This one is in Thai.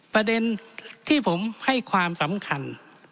ประเด็นที่ผมให้ความสำคัญ